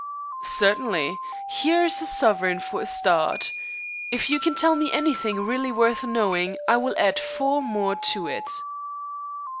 "Certainly. Here's a sovereign for a start. If you can tell me anything really worth knowing I will add four more to it."